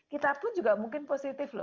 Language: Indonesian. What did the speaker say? kita pun juga mungkin positif loh